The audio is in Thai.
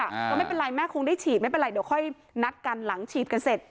ก็ไม่เป็นไรแม่คงได้ฉีดไม่เป็นไรเดี๋ยวค่อยนัดกันหลังฉีดกันเสร็จ